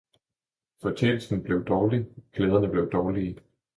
Fortjenesten blev dårlig, klæderne blev dårlige.